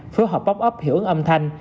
phối hợp pop up hiệu ứng âm thanh